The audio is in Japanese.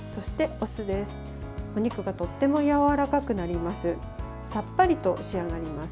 お肉がとてもやわらかくなります。